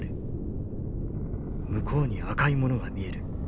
向こうに赤いものが見える。